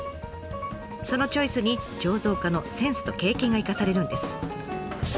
そのチョイスに醸造家のセンスと経験が生かされるんです。